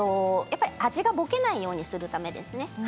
味がぼけないようにするためです。